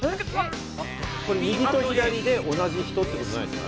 これ右と左で同じ人ってことないですか？